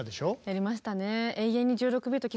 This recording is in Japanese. やりましたね。